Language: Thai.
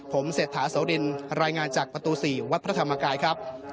ผมเศรษฐาโสรินรายงานจากประตู๔วัดพระธรรมกายครับ